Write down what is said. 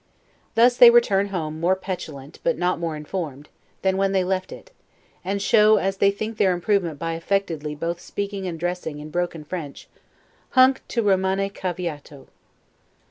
Thus they return home, more petulant, but not more informed, than when they left it; and show, as they think, their improvement by affectedly both speaking and dressing in broken French: "Hunc to Romane caveito."